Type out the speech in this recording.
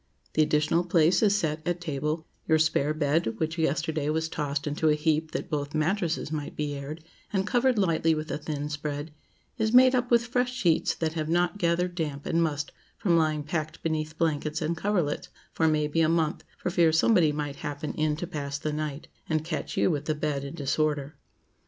The additional place is set at table; your spare bed, which yesterday was tossed into a heap that both mattresses might be aired, and covered lightly with a thin spread, is made up with fresh sheets that have not gathered damp and must from lying packed beneath blankets and coverlets for may be a month, for fear somebody might happen in to pass the night, and catch you with the bed in disorder.